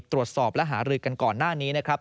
ตรวจสอบและหารือกันก่อนหน้านี้นะครับ